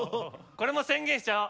これも宣言しちゃおう。